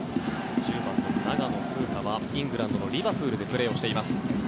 １０番の長野風花はイングランドのリバプールでプレーしています。